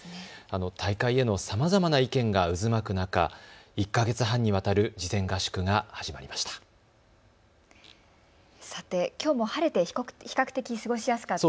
大会へのさまざまな意見が渦巻く中、１か月半にわたる事前合宿が始まりました。